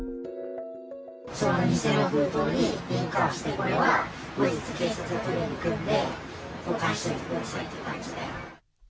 その偽の封筒に印鑑を押して、これは後日、警察が取りに来るんで、保管しといてくださいっていう感じで。